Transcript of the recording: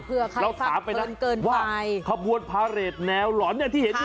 เผื่อใครฟังเกินไปเราถามไปว่าขบวนพาเรทแนวหล่อนที่เห็นกัน